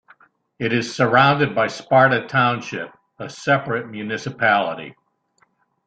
It is surrounded by Sparta Township, a separate municipality.